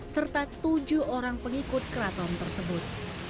serta tujuh orang pengikut keraton tersebut